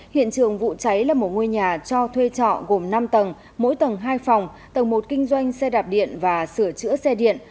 hiện trường vụ cháy là một ngôi nhà cho thuê trọ gồm năm tầng mỗi tầng hai phòng tầng một kinh doanh xe đạp điện và sửa chữa xe điện